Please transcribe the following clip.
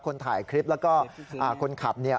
คนถ่ายคลิปแล้วก็คนขับเนี่ย